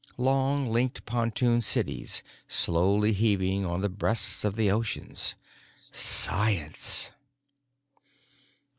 Long, linked pontoon cities slowly heaving on the breasts of the oceans. Science!